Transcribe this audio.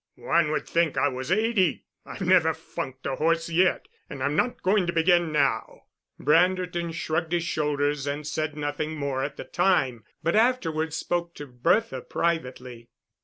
One would think I was eighty; I've never funked a horse yet, and I'm not going to begin now." Branderton shrugged his shoulders, and said nothing more at the time, but afterwards spoke to Bertha privately.